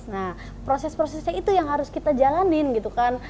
nah proses prosesnya itu yang harus kita jalanin gitu kan